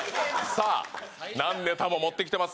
さあ何ネタも持ってきてます